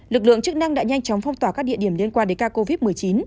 lực lượng chức năng đã nhanh chóng phong tỏa các địa điểm liên quan đến ca covid một mươi chín